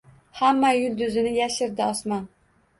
Hamma yulduzini yashirdi osmon